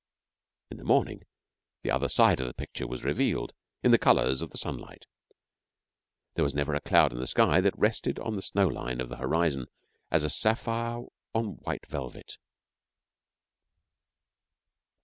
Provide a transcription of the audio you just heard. In the morning the other side of the picture was revealed in the colours of the sunlight. There was never a cloud in the sky that rested on the snow line of the horizon as a sapphire on white velvet.